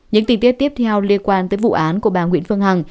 những tin tiếp theo liên quan tới vụ án của bà nguyễn phương hằng